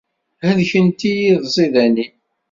Helkent-iyi tẓidanin.